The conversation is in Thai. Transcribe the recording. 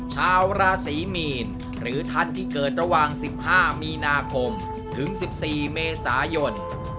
ชาวราศีมีนหรือท่านที่เกิดระหว่าง๑๕มีนาคมถึง๑๔เมษายน